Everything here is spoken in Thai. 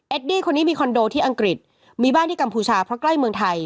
ดี้คนนี้มีคอนโดที่อังกฤษมีบ้านที่กัมพูชาเพราะใกล้เมืองไทย